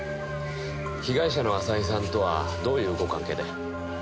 被害者の浅井さんとはどういうご関係で？